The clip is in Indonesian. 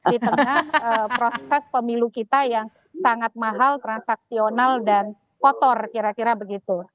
di tengah proses pemilu kita yang sangat mahal transaksional dan kotor kira kira begitu